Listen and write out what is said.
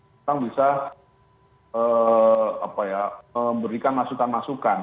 kita bisa berikan masukan masukan